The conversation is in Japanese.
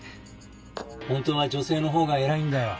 本当は女性の方が偉いんだよ。